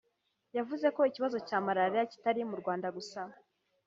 yavuze ko ikibazo cya Malariya kitari mu Rwanda gusa